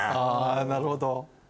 あなるほど。